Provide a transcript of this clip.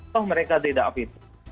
toh mereka tidak fitur